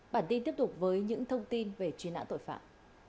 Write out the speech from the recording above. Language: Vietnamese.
bản tin tiếp tục với những thông tin về truy nã tội phạm